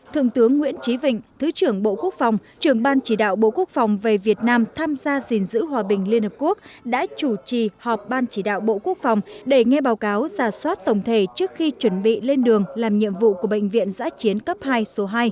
thượng tướng nguyễn trí vịnh thứ trưởng bộ quốc phòng trưởng ban chỉ đạo bộ quốc phòng về việt nam tham gia gìn giữ hòa bình liên hợp quốc đã chủ trì họp ban chỉ đạo bộ quốc phòng để nghe báo cáo giả soát tổng thể trước khi chuẩn bị lên đường làm nhiệm vụ của bệnh viện giã chiến cấp hai số hai